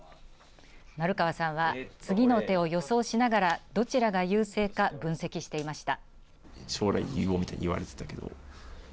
生川さんは次の手を予想しながらどちらが優勢か分析していました。